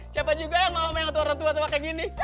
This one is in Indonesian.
siapa juga yang mau main atur atur atau kayak gini